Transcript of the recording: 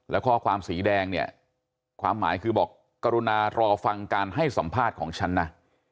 แล้วข้อความสีแดงเนี่ยความหมายคือบอกกรุณารอฟังการให้สัมภาษณ์ของฉันนะ